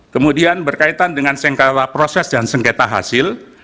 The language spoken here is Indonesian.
kemudian berkaitan dengan sengkara proses dan sengketa hasil